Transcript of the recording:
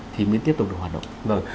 thì mới tiếp tục được hoạt động